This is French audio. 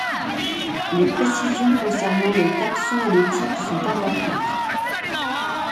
Les précisions concernant le taxon et le type sont importantes.